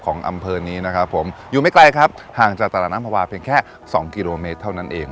อำเภอนี้นะครับผมอยู่ไม่ไกลครับห่างจากตลาดน้ำภาวาเพียงแค่สองกิโลเมตรเท่านั้นเอง